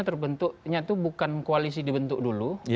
terbentuknya tuh bukan koalisi dibentuk dulu ya